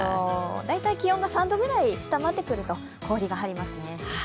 大体気温が３度ぐらい下回ってくると氷が張りますね。